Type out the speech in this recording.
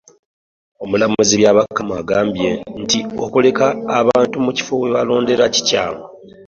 Omulamuzi Byabakama agambye nti okuleka abantu mu bifo awalonderwa kikyamu